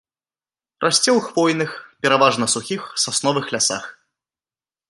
Расце ў хвойных, пераважна сухіх сасновых лясах.